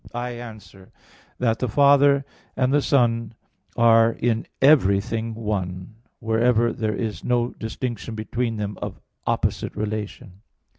I answer that, The Father and the Son are in everything one, wherever there is no distinction between them of opposite relation.